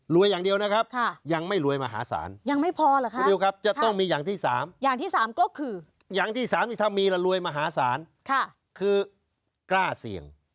อย่างเดียวนะครับยังไม่รวยมหาศาลยังไม่พอเหรอคะคุณนิวครับจะต้องมีอย่างที่๓อย่างที่๓ก็คืออย่างที่สามนี่ถ้ามีละรวยมหาศาลคือกล้าเสี่ยง